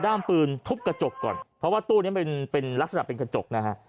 ปืนทุบกระจกก่อนเพราะว่าตู้นี้มันเป็นเป็นลักษณะเป็นกระจกนะฮะ